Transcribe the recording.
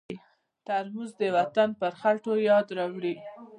ترموز د وطن پر خټو یاد راوړي.